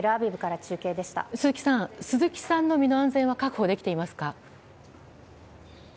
鈴木さん、鈴木さんの身の安全は確保できていますか？